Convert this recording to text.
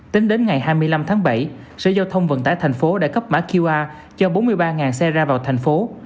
tính đến ngày hai mươi năm tháng bảy sở giao thông vận tải thành phố đã cấp mã qr cho bốn mươi ba xe ra vào thành phố